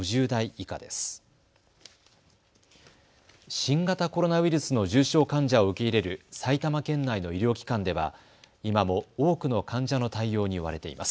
新型コロナウイルスの重症患者を受け入れる埼玉県内の医療機関では今も多くの患者の対応に追われています。